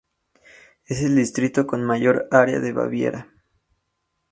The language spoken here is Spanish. Es el distrito con mayor área de Baviera.